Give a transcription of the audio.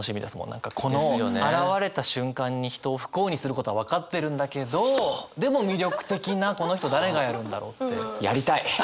何かこの現れた瞬間に人を不幸にすることは分かってるんだけどでも魅力的なこの人誰がやるんだろうって。